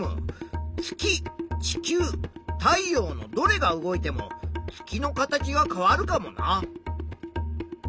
月地球太陽のどれが動いても月の形は変わるかもな。